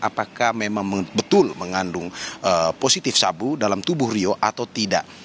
apakah memang betul mengandung positif sabu dalam tubuh rio atau tidak